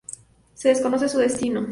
Se desconoce su destino.